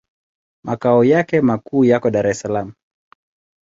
Makao yake makuu yako Dar es Salaam.